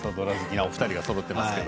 お二人がそろっていますけど。